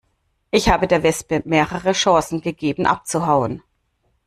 Ich habe der Wespe mehrere Chancen gegeben abzuhauen.